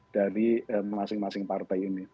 dari masing masing partai ini